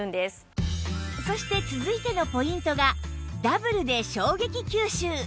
そして続いてのポイントがダブルで衝撃吸収